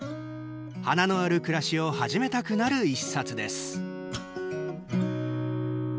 花のある暮らしを始めたくなる１冊です。